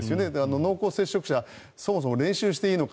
濃厚接触者、そもそも練習していいのか。